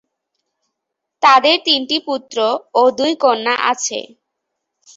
তাদের তিন পুত্র ও দুই কন্যা আছে।